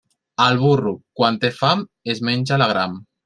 El burro, quan té fam, es menja l'agram.